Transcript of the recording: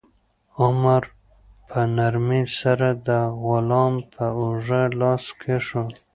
عمر په نرمۍ سره د غلام پر اوږه لاس کېښود.